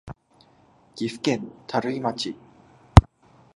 岐阜県垂井町